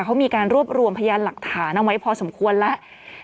เขามีการรวบรวมพยานหลักฐานเอาไว้พอสมควรแล้ว